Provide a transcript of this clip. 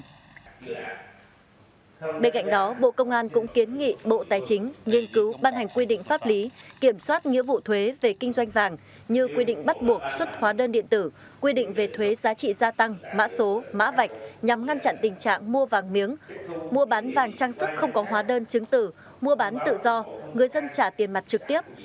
bên cạnh đó bộ công an cũng kiến nghị bộ tài chính nghiên cứu ban hành quy định pháp lý kiểm soát nghĩa vụ thuế về kinh doanh vàng như quy định bắt buộc xuất hóa đơn điện tử quy định về thuế giá trị gia tăng mã số mã vạch nhằm ngăn chặn tình trạng mua vàng miếng mua bán vàng trang sức không có hóa đơn chứng tử mua bán tự do người dân trả tiền mặt trực tiếp